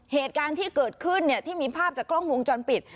เหตุการณ์ที่เกิดขึ้นที่มีภาพจากกล้องวงจรปิด